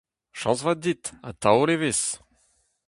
Chañs vat dit, ha taol evezh !